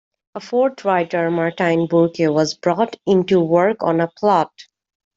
A fourth writer, Martyn Burke, was brought in to work on the plot.